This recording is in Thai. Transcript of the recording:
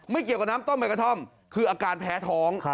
เกี่ยวกับน้ำต้มใบกระท่อมคืออาการแพ้ท้อง